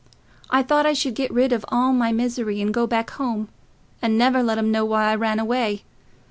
I thought I should get rid of all my misery, and go back home, and never let 'em know why I ran away.